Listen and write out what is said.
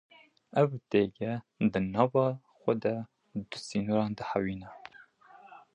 Ev têgeh di nava xwe de du sînoran dihewîne.